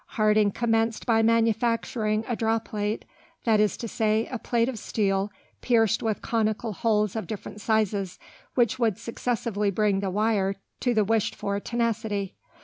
Harding commenced by manufacturing a draw plate, that is to say, a plate of steel, pierced with conical holes of different sizes, which would successively bring the wire to the wished for tenacity.